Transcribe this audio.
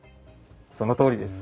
そのとおりです。